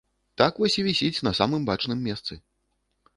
Так вось і вісіць на самым бачным месцы.